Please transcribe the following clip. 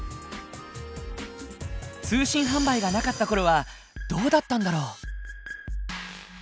通信販売がなかったころはどうだったんだろう？